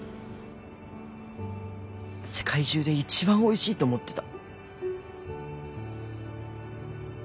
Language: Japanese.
世界中で一番おいしいと思ってた。